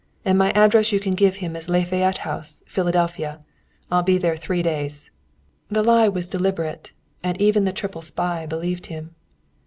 And my address you can give him as Lafayette House, Philadelphia. I'll be there three days." The lie was deliberate, and even the triple spy believed him.